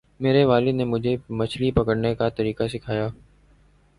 میرے والد نے مجھے مچھلی پکڑنے کا طریقہ سکھایا۔